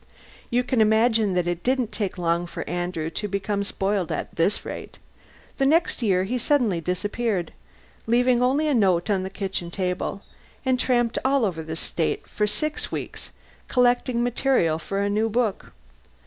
You can imagine that it didn't take long for Andrew to become spoiled at this rate! The next year he suddenly disappeared, leaving only a note on the kitchen table, and tramped all over the state for six weeks collecting material for a new book.